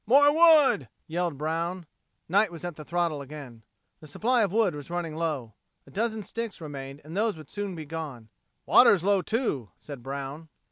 "More wood!" yelled Brown. Knight was at the throttle again. The supply of wood was running low. A dozen sticks remained and those would soon be gone. "Water's low, too," said Brown.